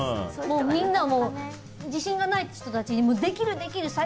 みんな、自信がない人たちにできる、できる！